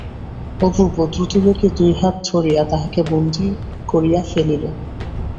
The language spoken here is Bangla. অপূর্ব দ্রুতবেগে দুই হাত ধরিয়া তাহাকে বন্দী করিয়া ফেলিল।